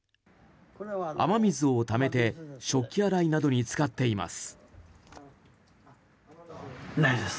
雨水をためて食器洗いなどに使っています。